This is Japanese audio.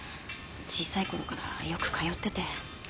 小さいころからよく通ってて。